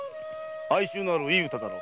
哀愁のあるいい歌だろ。